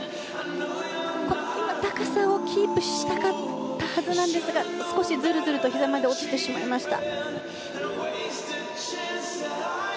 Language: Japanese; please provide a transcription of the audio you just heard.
高さをキープしたかったはずなんですが少し、ずるずるとひざまで落ちてしまいました。